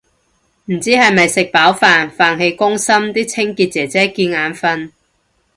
唔知係咪食飽飯，飯氣攻心啲清潔姐姐見眼訓